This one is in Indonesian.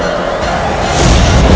amin ya rukh alamin